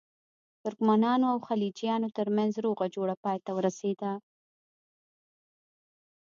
ترکمنانو او خلجیانو ترمنځ روغه جوړه پای ته ورسېده.